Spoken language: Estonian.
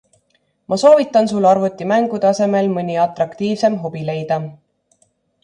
Ma soovitan sul arvutimängude asemel mõni atraktiivsem hobi leida.